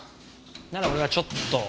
なら俺はちょっと。